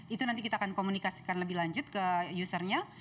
itu nanti kita akan komunikasikan lebih lanjut ke usernya